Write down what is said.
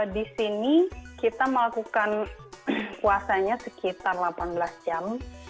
di sini kita melakukan puasanya sekitar delapan belas jam